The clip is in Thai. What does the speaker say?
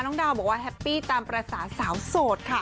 น้องดาวบอกว่าแฮปปี้ตามประสาสาสาวโสดค่ะ